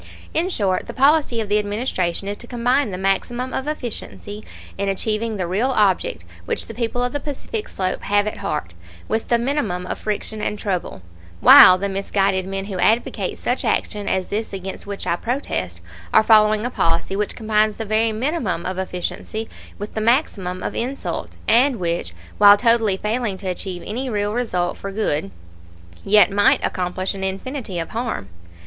In short, the policy of the Administration is to combine the maximum of efficiency in achieving the real object which the people of the Pacific Slope have at heart, with the minimum of friction and trouble, while the misguided men who advocate such action as this against which I protest are following a policy which combines the very minimum of efficiency with the maximum of insult, and which, while totally failing to achieve any real result for good, yet might accomplish an infinity of harm.